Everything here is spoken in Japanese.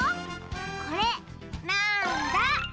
これなんだ？